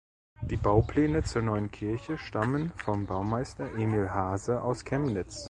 Die Baupläne zur neuen Kirche stammen vom Baumeister Emil Haase aus Chemnitz.